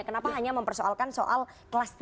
kenapa hanya mempersoalkan soal kelas tiga